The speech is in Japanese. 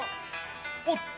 おっと！